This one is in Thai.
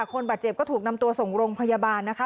คนบาดเจ็บก็ถูกนำตัวส่งโรงพยาบาลนะคะ